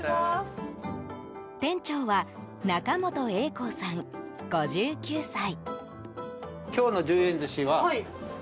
店長は中本栄宏さん、５９歳。